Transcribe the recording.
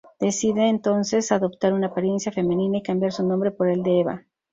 Decide entonces adoptar una apariencia femenina y cambiar su nombre por el de Eva.